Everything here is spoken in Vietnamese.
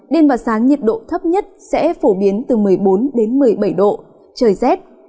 đêm và sáng nhiệt độ thấp nhất sẽ phổ biến từ một mươi bốn đến một mươi bảy độ trời rét